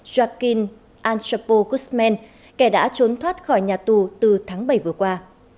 joaquin antropo guzman kẻ đã trốn thoát khỏi nhà tù từ tháng bảy vừa qua